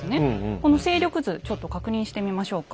この勢力図ちょっと確認してみましょうか。